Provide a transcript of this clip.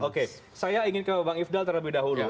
oke saya ingin ke bang ifdal terlebih dahulu